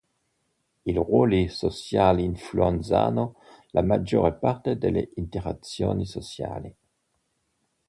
I ruoli sociali influenzano la maggior parte delle interazioni sociali.